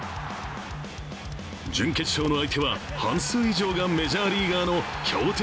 準決勝の相手は半数以上がメジャーリーガーの強敵